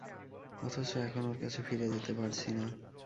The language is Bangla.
অথচ এখন ওর কাছে ফিরে যেতে পারছি না।